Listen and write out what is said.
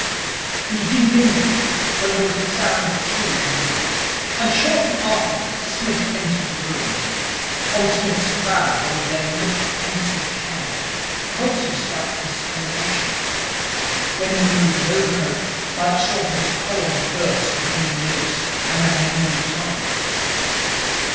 He was deep in this, when there was the sound of a key in the latch, and shortly afterwards Psmith entered the room. On Psmith's brow there was a look of pensive care, and also a slight discoloration. When he removed his overcoat, Mike saw that his collar was burst and hanging loose and that he had no tie.